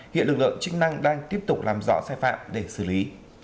hiện lực lượng chức năng đang tiếp tục làm rõ sai phạm để xử lý